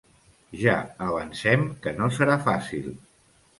Ja avancem que no serà fàcil.